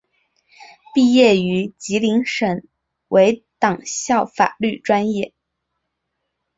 毕业于吉林省委党校法律专业。